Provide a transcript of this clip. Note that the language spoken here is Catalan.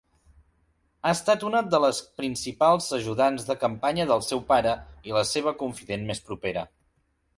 Ha estat una de les principals ajudants de campanya del seu pare i la seva confident més propera.